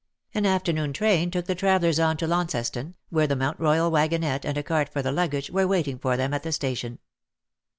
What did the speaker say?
An afternoon train took the travellers on to Launceston, where the Mount Koyal wagonette, and a cart for the luggage, were waiting for them at the station.